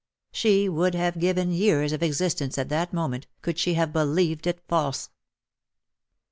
She would have given years of existence at that moment, could she have believed it false.